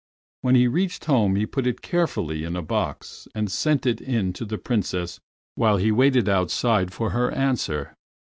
When he reached home he put it carefully in a box and sent it in to the Princess while he waited outside for her answer.